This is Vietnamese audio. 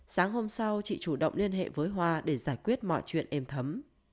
sáng hôm sau chị chủ động liên hệ với hoa để giải quyết mọi chuyện êm thấm